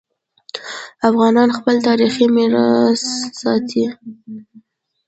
افغانان خپل تاریخي میراث ساتي.